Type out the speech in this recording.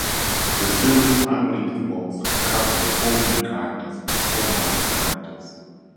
The series primarily involves a cast of four main characters and four minor characters.